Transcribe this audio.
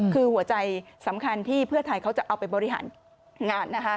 คือหัวใจสำคัญที่เพื่อไทยเขาจะเอาไปบริหารงานนะคะ